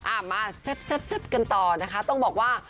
อ่ะมาแซ่บกันต่อนะคะต้องบอกว่า